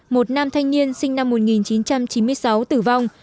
một nam thanh niên sinh năm một nghìn chín trăm chín mươi sáu tử vong